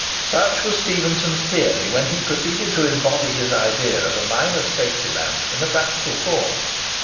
Such was Stephenson's theory when he proceeded to embody his idea of a miner's safety lamp in a practical form.